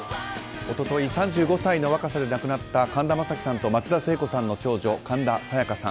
一昨日、３５歳の若さで亡くなった神田正輝さんと松田聖子さんの長女神田沙也加さん。